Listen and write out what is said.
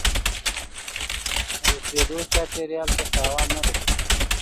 د اوسیدو چاپیریال ته تاوان نه رسوي.